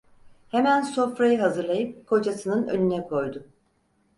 Hemen sofrayı hazırlayıp kocasının önüne koydu.